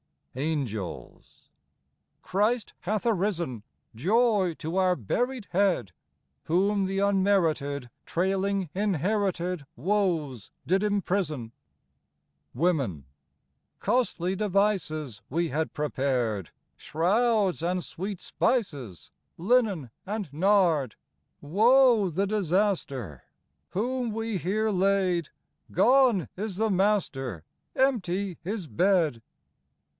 Angels. Christ hath arisen ! Joy to our buried Head ! Whom the unmerited, Trailing inherited Woes, did imprison ! Women. Costly devices We had prepared, — Shrouds and sweet spices, Linen and nard, Woe the disaster ! Whom we here laid, Gone is the Master, Empty His bed.